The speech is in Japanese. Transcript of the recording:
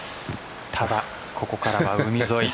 ただここからは海沿い。